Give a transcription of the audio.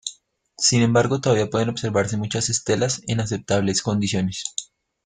Sin embargo, todavía pueden observarse muchas estelas en aceptables condiciones.